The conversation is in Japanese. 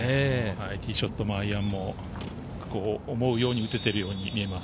ティーショットもアイアンも、思うように打てているように見えます。